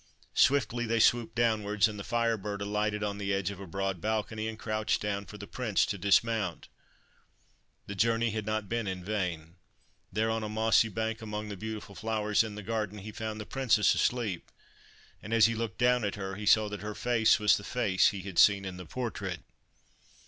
Swiftly they swooped downwards, and the Fire Bird alighted on the edge of a broad balcony, and crouched down for the Prince to dismount. The journey had not been in vain. There, on a mossy bank among the beautiful flowers in the garden, he found the Princess asleep ; and, as he looked down at her, he saw that her face was the face he had seen in the portrait.